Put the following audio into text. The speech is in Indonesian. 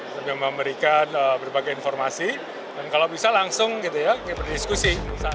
lebih memberikan berbagai informasi dan kalau bisa langsung berdiskusi